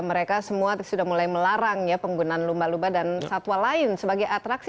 mereka semua sudah mulai melarang ya penggunaan lumba lumba dan satwa lain sebagai atraksi